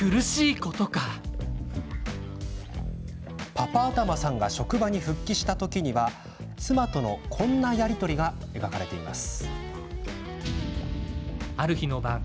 パパ頭さんが職場に復帰した時には妻とのこんなやり取りが描かれています。